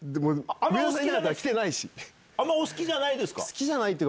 あんまお好きじゃないですか？